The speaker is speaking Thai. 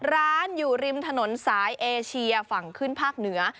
ร้านอยู่ริมถนนสายเอเชียฝั่งขึ้นภาคเหนือ